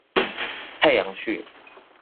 太陽穴